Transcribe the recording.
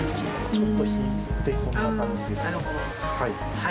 ちょっと引いて、こんな感じなるほど。